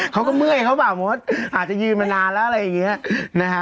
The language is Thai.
เมื่อยเขาเปล่ามดอาจจะยืนมานานแล้วอะไรอย่างนี้นะฮะ